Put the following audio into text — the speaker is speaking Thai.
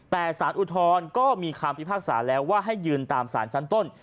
แต่สารอุทธรณ์ก็มีคำพิพากษาแล้วว่าให้ยืนตามสารชั้นต้น